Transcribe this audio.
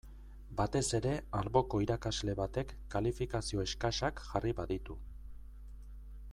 Batez ere alboko irakasle batek kalifikazio eskasak jarri baditu.